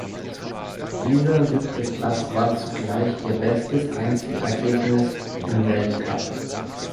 Dieser siebte Platz war zugleich ihr bestes Einzelergebnis im Weltcup.